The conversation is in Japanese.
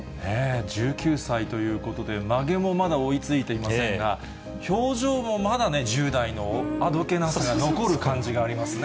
１９歳ということで、まげもまだ追いついていませんが、表情もまだね、１０代のあどけなさが残る感じがありますね。